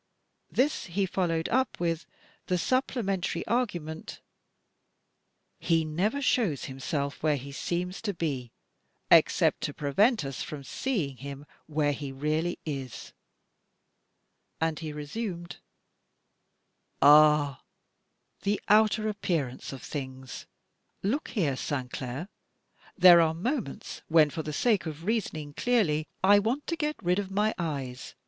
This he followed up with the supplementary argument: "He never shows himself where he seems to be except to prevent us from seeing him where he really is." And he resumed: "Ah! the outer appearance of things! Look here, Sainclair! There are moments when, for the sake of reasoning clearly, I want to get rid of my eyes!